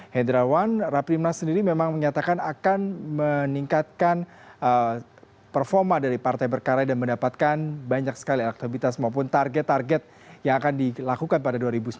hendrawan rapimnas sendiri memang menyatakan akan meningkatkan performa dari partai berkarya dan mendapatkan banyak sekali aktivitas maupun target target yang akan dilakukan pada dua ribu sembilan belas